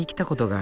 あ！